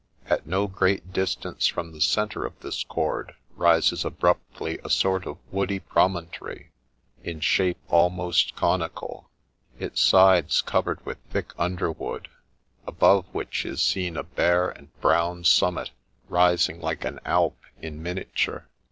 At no great distance from the centre of this cord rises abruptly a sort of woody promontory, in shape almost conical ; its sides covered with thick underwood, above which is seen a bare and brown summit rising like an Alp in miniature.